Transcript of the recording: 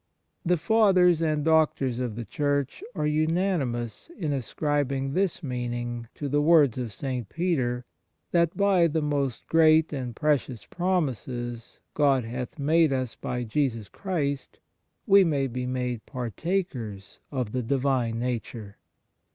The Fathers and Doctors of the Church are unanimous in ascribing this meaning to the words of St. Peter, that, " by the most great and precious promises God hath made us by Jesus Christ, we may be made partakers of the Divine Nature."